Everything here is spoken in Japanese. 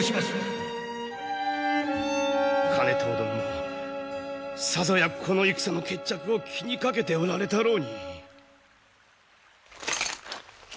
兼遠殿もさぞやこの戦の決着を気にかけておられたろうに。